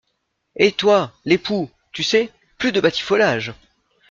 Et toi, l’époux, tu sais, plus de batifolage !